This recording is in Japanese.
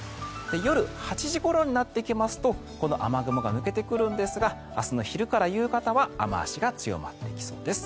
夜８時ごろになってきますとこの雨雲が抜けてくるんですが明日の昼から夕方は雨脚が強まってきそうです。